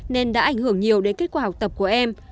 nên đã ảnh hưởng nhiều đến kết quả học tập của em